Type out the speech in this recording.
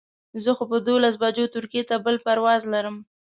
زه خو په دولس بجو ترکیې ته بل پرواز لرم.